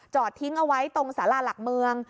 ทิ้งเอาไว้ตรงสาราหลักเมือง